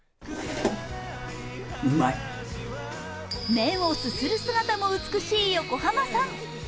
麺をすする姿も美しい横浜さん。